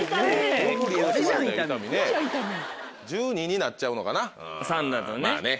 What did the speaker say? １２になっちゃうのかなまぁね。